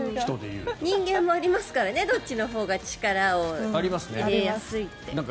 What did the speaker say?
人間もありますからねどっちのほうが力を入れやすいって。